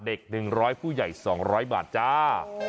เด็ก๑๐๐ผู้ใหญ่๒๐๐บาทจ้า